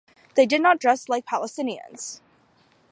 They did not dress like Palestinians.